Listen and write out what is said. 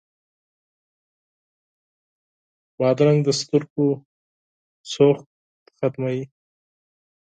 بادرنګ د سترګو سوخت ختموي.